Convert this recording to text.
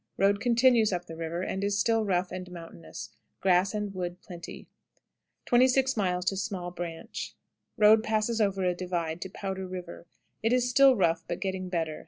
Road continues up the river, and is still rough and mountainous. Grass and wood plenty. 26. Small Branch. Road passes over a divide to "Powder River." It is still rough, but getting better.